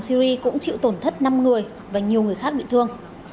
chính quyền syri cũng chịu tổn thất năm người và nhiều người khác bị thương